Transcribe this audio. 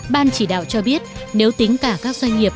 ban chỉ đạo cho biết nếu tính cả các doanh nghiệp